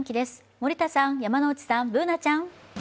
森田さん、山之内さん、Ｂｏｏｎａちゃん。